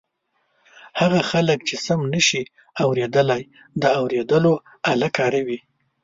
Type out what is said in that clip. هغه خلک چې سم نشي اورېدلای د اوریدلو آله کاروي.